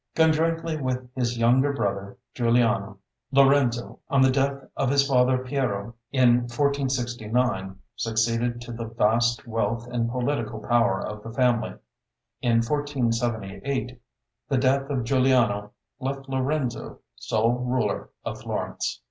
Conjointly with his younger brother Giuliano, Lorenzo, on the death of his father Piero, in 1469, succeeded to the vast wealth and political power of the family. In 1478 the death of Giuliano left Lorenzo sole ruler of Florence.